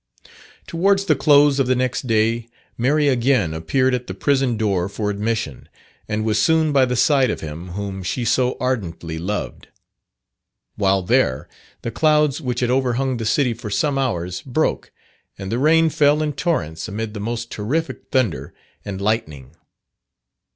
Towards the close of the next day, Mary again appeared at the prison door for admission, and was soon by the side of him whom she so ardently loved. While there, the clouds which had overhung the city for some hours, broke, and the rain fell in torrents amid the most terrific thunder and lightning.